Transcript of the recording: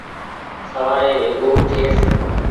سوآري ويڳو اُٺيس۔